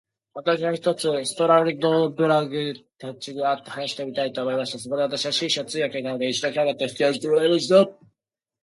私は、ひとつストラルドブラグたちに会って話してみたいと思いました。そこで私は、紳士を通訳に頼んで、一度彼等と引き合せてもらいました。